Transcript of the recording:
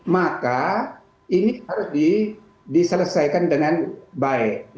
maka ini harus diselesaikan dengan baik